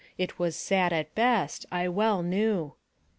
It was sad at best, I well knew.